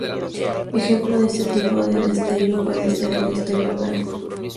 Ejemplo de este tipo de destello puede ser el destello verde.